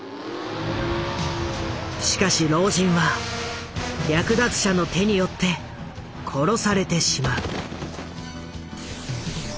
しかし老人は略奪者の手によって殺されてしまう。